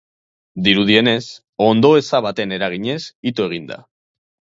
Dirudienez, ondoeza baten eraginez ito egin da.